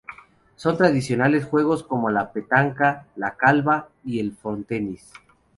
Son tradicionales juegos como la Petanca, la Calva y el Frontenis.